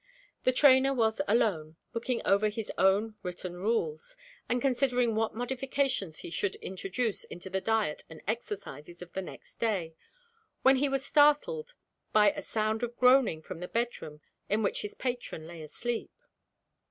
The trainer was alone, looking over his own written rules, and considering what modifications he should introduce into the diet and exercises of the next day, when he was startled by a sound of groaning from the bedroom in which his patron lay asleep.